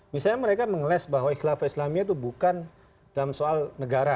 misalnya mereka mengeles bahwa ikhlaf islamia itu bukan dalam soal negara